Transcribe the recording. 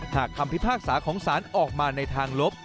คำพิพากษาของศาลออกมาในทางลบ